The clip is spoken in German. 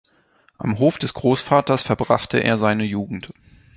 Am Hof des Großvaters verbrachte er seine Jugend.